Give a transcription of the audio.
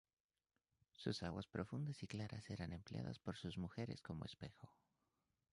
Sus aguas profundas y claras eran empleadas por sus mujeres como espejo.